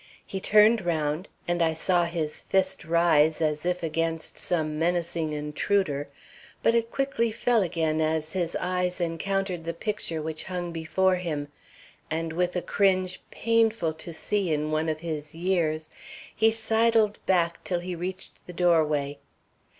He turned round, and I saw his fist rise as if against some menacing intruder, but it quickly fell again as his eyes encountered the picture which hung before him, and with a cringe painful to see in one of his years, he sidled back till he reached the doorway.